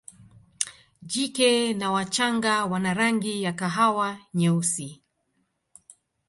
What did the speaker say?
Jike na wachanga wana rangi ya kahawa nyeusi.